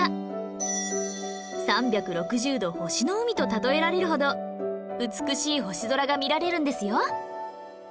「３６０° 星の海」と例えられるほど美しい星空が見られるんですよ